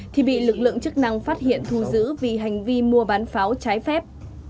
thì bị lực lượng chức năng phát hiện thu giữ vì hành vi mua bán pháo trái phép